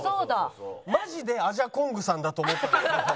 マジでアジャコングさんだと思った。